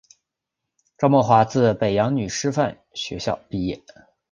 赵懋华自北洋女师范学校毕业。